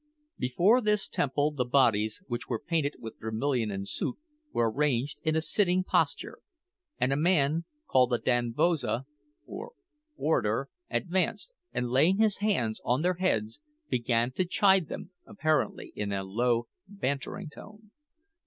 Before this temple the bodies, which were painted with vermilion and soot, were arranged in a sitting posture; and a man called a "dan vosa" (orator) advanced, and laying his hands on their heads, began to chide them, apparently, in a low, bantering tone.